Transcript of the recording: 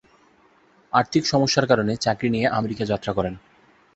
আর্থিক সমস্যার কারণে চাকরি নিয়ে আমেরিকা যাত্রা করেন।